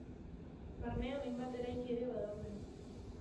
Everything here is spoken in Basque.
Barnean hainbat eraiki ere badaude.